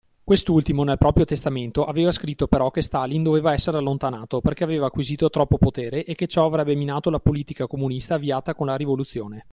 Quest'ultimo nel proprio testamento aveva scritto però che Stalin doveva essere allontanato perché aveva acquisito troppo potere e che ciò avrebbe minato la politica comunista avviata con la rivoluzione.